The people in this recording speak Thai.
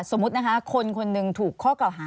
สมมุตินะคะคนคนหนึ่งถูกข้อเก่าหา